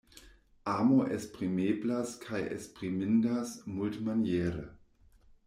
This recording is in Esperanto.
Amo esprimeblas kaj esprimindas multmaniere.